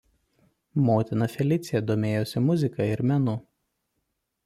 Motina Felicija domėjosi muzika ir menu.